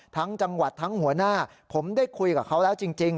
จังหวัดทั้งหัวหน้าผมได้คุยกับเขาแล้วจริง